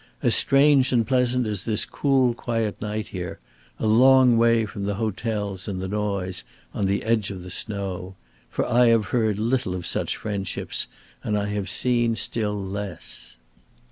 As strange and pleasant as this cool, quiet night here, a long way from the hotels and the noise, on the edge of the snow. For I have heard little of such friendships and I have seen still less."